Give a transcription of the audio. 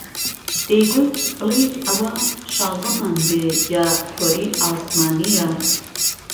دهیگوت بڵێی ئه وهشازەمان بێ یا حۆری عاسمانییه